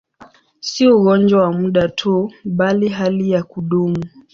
Si ugonjwa wa muda tu, bali hali ya kudumu.